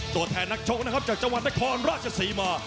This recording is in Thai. ตัวแทนนักชกนะครับจากจังหวัดนครราชศรีมา